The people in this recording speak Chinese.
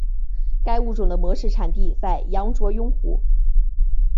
该物种的模式产地在羊卓雍湖。